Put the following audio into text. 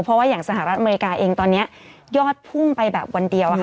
เพราะว่าอย่างสหรัฐอเมริกาเองตอนนี้ยอดพุ่งไปแบบวันเดียวค่ะ